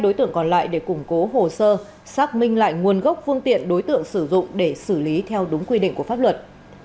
đối tượng còn lại để củng cố hồ sơ xác minh lại nguồn gốc phương tiện đối tượng sử dụng để xử lý theo đúng quy định của pháp luật